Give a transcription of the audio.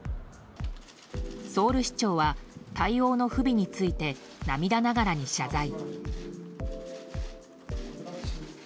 ソウル市長は対応の不備について涙ながらに謝罪。